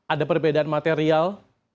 ada perbedaan material